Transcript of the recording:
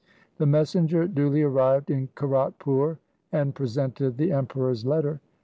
The messenger duly arrived in Kiratpur and pre sented the Emperor's letter.